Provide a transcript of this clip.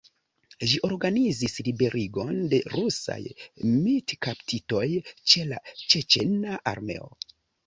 Ĝi organizis liberigon de rusaj militkaptitoj ĉe la ĉeĉena armeo.